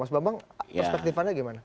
mas bambang perspektifannya gimana